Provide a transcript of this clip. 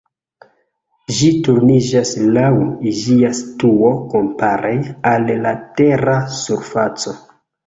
Ĝi turniĝas laŭ ĝia situo kompare al la Tera surfaco.